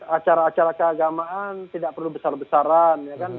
acara acara keagamaan tidak perlu besar besaran